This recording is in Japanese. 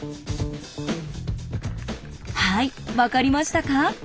はい分かりましたか？